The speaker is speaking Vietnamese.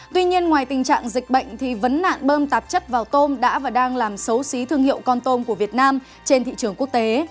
tuy nhiên ngoài tình trạng dịch bệnh thì vấn nạn bơm tạp chất vào tôm đã và đang làm xấu xí thương hiệu con tôm của việt nam trên thị trường quốc tế